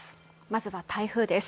まずは台風です。